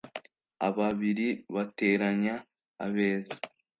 ababiri bateranya abeza